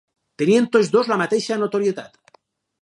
Tenien tots dos la mateixa notorietat.